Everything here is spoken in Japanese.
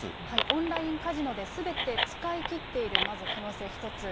オンラインカジノですべて使い切っている、まず可能性１つ。